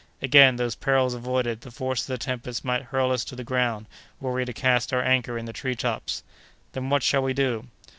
Again, those perils avoided, the force of the tempest might hurl us to the ground, were we to cast our anchor in the tree tops." "Then what shall we do?"